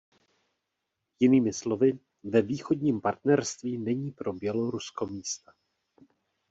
Jinými slovy, ve Východním partnerství není pro Bělorusko místa.